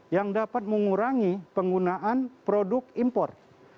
yang dapat mengurangi penggunaan produk impor